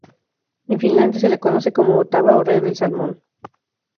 En Finlandia se le conoce como Otava o red del salmón.